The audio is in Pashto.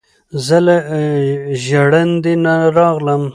ـ زه له ژړندې نه راغلم،